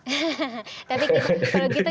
tapi kalau gitu kita juga bisa berhubungan